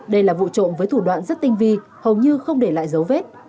đây là vụ trộm với thủ đoạn rất tinh vi hầu như không để lại dấu vết